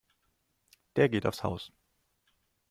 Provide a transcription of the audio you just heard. Der geht aufs Haus.